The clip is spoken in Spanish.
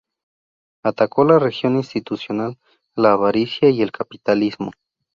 Atacó la religión institucional, la avaricia y el capitalismo.